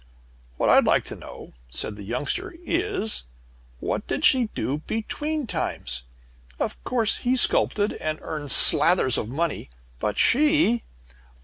"What I'd like to know," said the Youngster, "is, what did she do between times? Of course he sculpted, and earned slathers of money. But she